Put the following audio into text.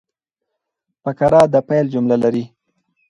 فقره د پیل جمله لري.